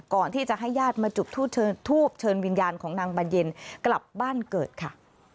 ก่อนที่จะให้ญาติมาจุดทูบเชิญทูบเชิญวิญญาณของนางบรรเย็นกลับบ้านเกิดค่ะ